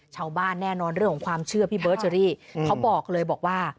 ชาวบ้านแน่นอนเรื่องของความเชื่อพี่เบิร์ดเชอรี่เขาบอกเลยบอกว่า